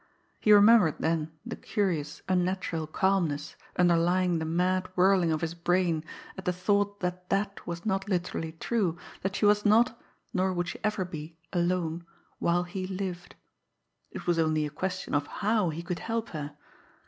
He remembered then the curious, unnatural calmness underlying the mad whirling of his brain at the thought that that was not literally true, that she was not, nor would she ever be alone while he lived. It was only a question of how he could help her.